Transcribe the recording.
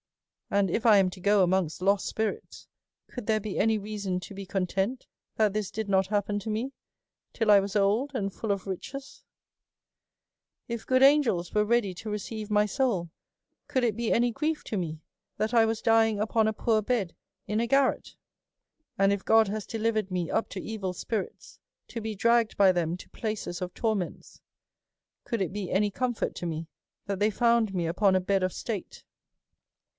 " And if I am to go amongst lost spirits, could there be any reason to be content that this did not happen to me till I was old, and full of riches ?'' If good angels were ready to receive my soul, could it be any grief to me that I was dying upon a poor bed in a ga rrat ?" And if God has delivered me up to evil spirits, to be dragged by them to places of torments, could it be any comfort to me that they found me upon a bed of state